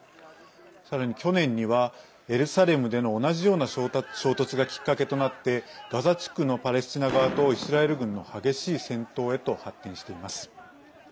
さらに去年にはエルサレムでの同じような衝突がきっかけとなってガザ地区のパレスチナ側とイスラエル軍の激しい戦闘へと発展しています。